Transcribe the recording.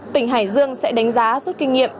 tỉnh hải dương sẽ đánh giá rút kinh nghiệm